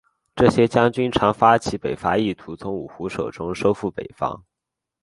这些将军常发起北伐意图从五胡手中收复北方。